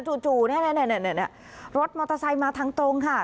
จู่เนี่ยเนี่ยเนี่ยเนี่ยเนี่ยรถมอเตอร์ไซต์มาทางตรงค่ะ